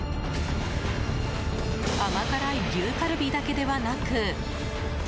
甘辛い牛カルビだけではなく。